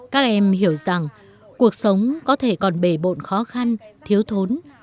các em hiểu rằng cuộc sống có thể còn bề bộn khó khăn thiếu thốn